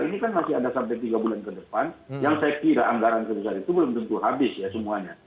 ini kan masih ada sampai tiga bulan ke depan yang saya kira anggaran sebesar itu belum tentu habis ya semuanya